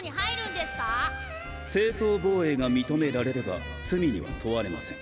正当防衛が認められれば罪には問われません。